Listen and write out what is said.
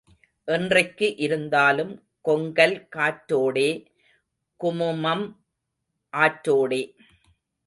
என்றைக்கு இருந்தாலும் கொங்கல் காற்றோடே, குமுமம் ஆற்றோடே.